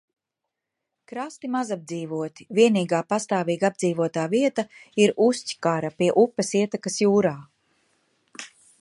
Krasti mazapdzīvoti, vienīgā pastāvīgi apdzīvotā vieta ir Ustjkara pie upes ietekas jūrā.